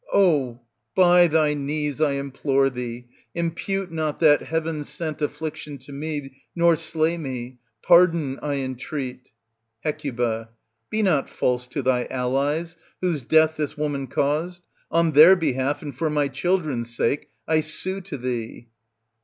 Oh, by thy knees, I implore thee, impute not that heaven sent affliction to me, nor slay me ; pardon, I entreat 1 Hec. Be not false to thy allies, whose death this woman caused ; on their behalf, and for my children's sake, I sue to thee.